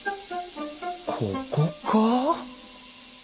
ここか？